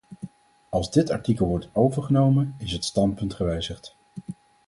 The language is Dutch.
Als dit artikel wordt overgenomen, is het standpunt gewijzigd.